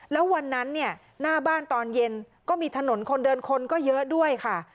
แล้ววันนั้นเนี่ยหน้าบ้านตอนเย็นก็มีถนนคนเดินคนก็เยอะด้วยค่ะ